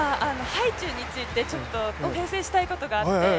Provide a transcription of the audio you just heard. ハイチュウについて訂正したいことがあって。